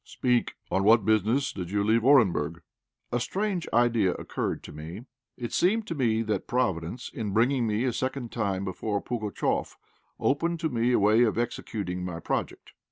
"Speak! On what business did you leave Orenburg?" A strange idea occurred to me. It seemed to me that Providence, in bringing me a second time before Pugatchéf, opened to me a way of executing my project.